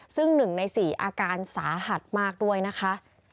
ซึ่ง๑ใน๔อาการสาหัสมากด้วยนะคะ